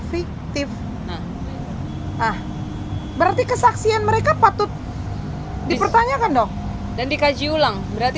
fiktif nah berarti kesaksian mereka patut dipertanyakan dong dan dikaji ulang berarti